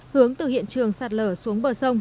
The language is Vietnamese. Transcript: hướng từ hiện trường sạt lở xuống bờ sông